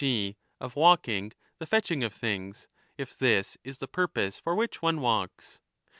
g. of walking, the fetching of things, if this is the purpose for which one walks.